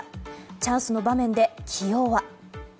チャンスの場面で起用は。